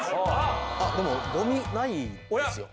でもゴミないですよ。